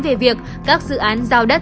về việc các dự án giao đất